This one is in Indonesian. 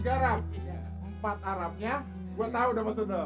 empat arabnya gue tau udah maksud lo